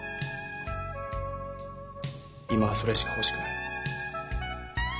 今はそれしか欲しくない。